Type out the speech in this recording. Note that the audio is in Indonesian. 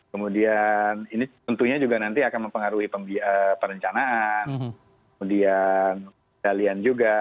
kemudian ini tentunya juga nanti akan mempengaruhi perencanaan kemudian dalian juga